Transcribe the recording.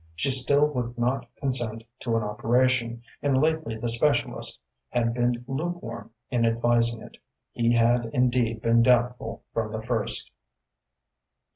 She still would not consent to an operation, and lately the specialist had been lukewarm in advising it. He had indeed been doubtful from the first.